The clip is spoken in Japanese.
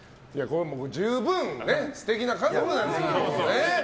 十分素敵な家族なんですよ。